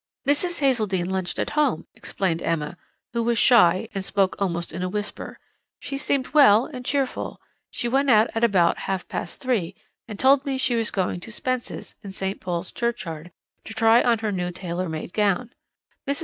"'Mrs. Hazeldene lunched at home,' explained Emma, who was shy, and spoke almost in a whisper; 'she seemed well and cheerful. She went out at about half past three, and told me she was going to Spence's, in St. Paul's Churchyard, to try on her new tailor made gown. Mrs.